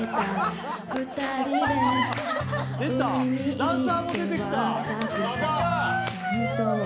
ダンサーも出てきた。